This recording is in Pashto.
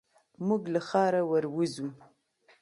موږ له ښاره ور وځو.